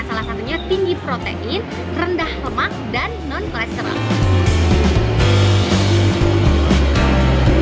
salah satunya tinggi protein rendah lemak dan non kolesterol